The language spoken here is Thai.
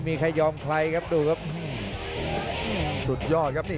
จิบลำตัวไล่แขนเสียบใน